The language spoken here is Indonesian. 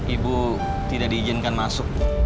ibu tidak diijinkan masuk